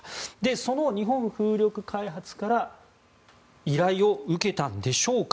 その日本風力開発から依頼を受けたんでしょうか。